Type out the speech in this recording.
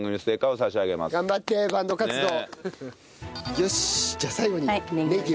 よしじゃあ最後にネギを。